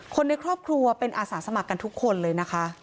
คนในครอบครัวเป็นอาสาสมัครกันทุกคนเลยนะคะ